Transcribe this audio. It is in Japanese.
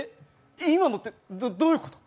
今のってどういうこと？